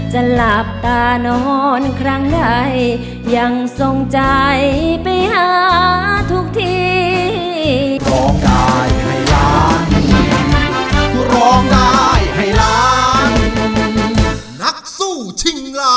หลับตานอนครั้งใดยังทรงใจไปหาทุกที